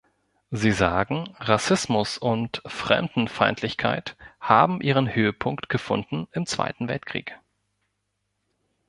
Sie sagen, Rassismus und Fremdenfeindlichkeit haben ihren Höhepunkt gefunden im Zweiten Weltkrieg.